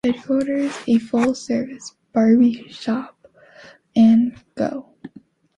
Headquarters, a full-service barber shop, and Go!